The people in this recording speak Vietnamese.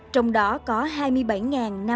trong đó có hai mươi bảy ngàn